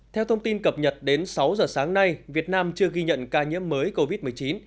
theo thông tin cập nhật đến sáu giờ sáng nay việt nam chưa ghi nhận ca nhiễm mới covid một mươi chín